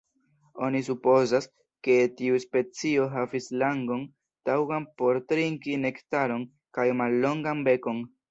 Oni supozas, ke tiu specio havis langon taŭgan por trinki Nektaron kaj mallongan bekon.